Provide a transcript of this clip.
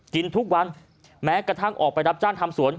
กินทุกวันแม้กระทั่งออกไปรับจ้างทำสวน